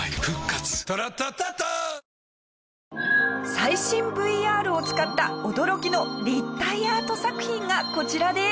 最新ＶＲを使った驚きの立体アート作品がこちらです。